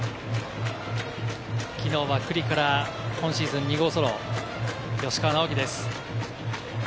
きのうは九里から今シーズン２号ソロ、吉川尚輝です。